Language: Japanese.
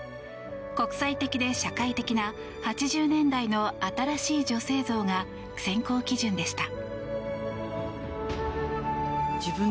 国際的で社会的な８０年代の新しい女性像が選考基準でした。